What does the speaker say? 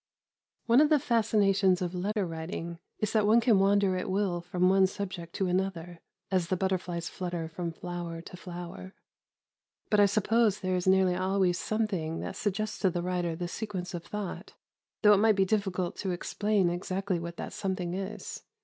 One of the fascinations of letter writing is that one can wander at will from one subject to another, as the butterflies flutter from flower to flower; but I suppose there is nearly always something that suggests to the writer the sequence of thought, though it might be difficult to explain exactly what that something is.